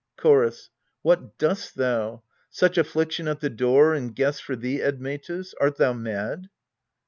Chorus. What dost thou? such affliction at the door, And guests for thee, Admetus? Art thou mad